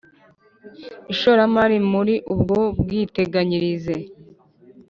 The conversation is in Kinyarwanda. ishoramari muri ubwo bwiteganyirize